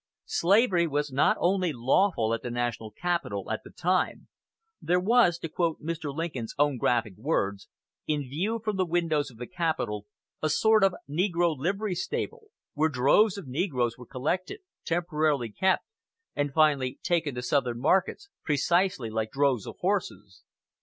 Slavery was not only lawful at the national capital at that time: there was, to quote Mr. Lincoln's own graphic words, "in view from the windows of the Capitol a sort of negro livery stable, where droves of negroes were collected, temporarily kept, and finally taken to Southern markets, precisely like droves of horses."